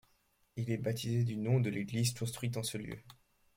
Il est baptisé du nom de l'église construite en ce lieu.